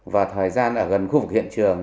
và thời gian ở gần khu vực hiện trường